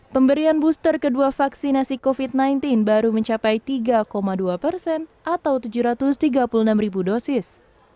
pemberian booster kedua vaksinasi covid sembilan belas baru mencapai tiga dua persen atau tujuh ratus tiga puluh enam ribu dosis